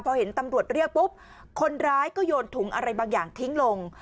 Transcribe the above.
พอเห็นตำรวจเรียกปุ๊บคนร้ายก็โยนถุงอะไรบางอย่างทิ้งลง